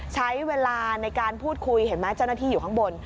ใช้เวลาในการพูดคุยเห็นไหมเจ้าหน้าที่อยู่ข้างบน